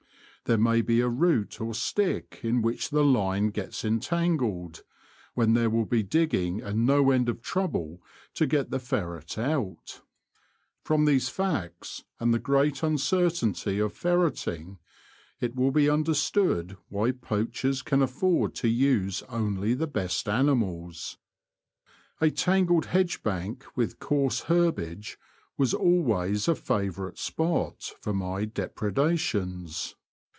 There may be a root or stick in which the line gets entangled, when there will be digging and no end of trouble to get the ferret out. From these facts, and the great uncertainty of ferreting, it will be understood why poachers 126 The Confessions of a T^oacher. can afford to use only the best animals. A tangled hedgebank with coarse herbage was alwasy a favourite spot for my depredations.